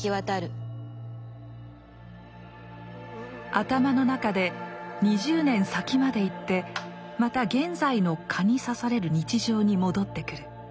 頭の中で２０年先まで行ってまた現在の蚊に刺される日常に戻ってくる。